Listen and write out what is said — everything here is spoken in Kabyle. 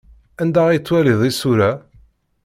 Anda ay ttwaliɣ isura?